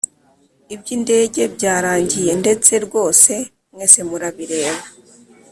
iby'indege byarangiye, ndetse rwose mwese murabireba